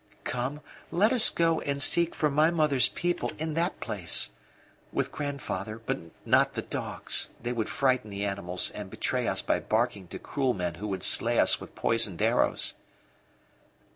Come, let us go and seek for my mother's people in that place. With grandfather, but not the dogs; they would frighten the animals and betray us by barking to cruel men who would slay us with poisoned arrows."